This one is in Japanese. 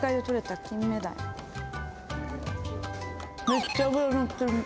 めっちゃ脂乗ってる。